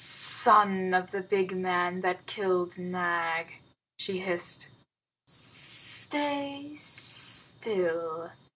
"Son of the big man that killed Nag," she hissed, "stay still.